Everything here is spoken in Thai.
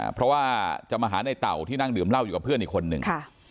เพราะว่าจะมาหาในเต่าที่นั่งดื่มเหล้าอยู่กับเพื่อนอีกคนนึง